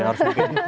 iya harus mimpi